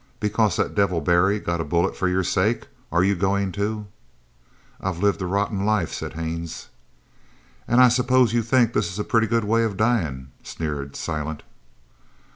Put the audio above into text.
"Because that devil Barry got a bullet for your sake are you goin' to " "I've lived a rotten life," said Haines. "An' I suppose you think this is a pretty good way of dyin'?" sneered Silent.